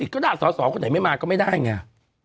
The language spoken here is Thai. ก็ได้สอสอคนไหนไม่มาก็ไม่ได้ไง